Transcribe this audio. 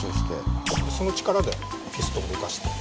その力でピストンを動かして。